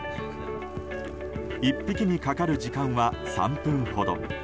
１匹にかかる時間は３分ほど。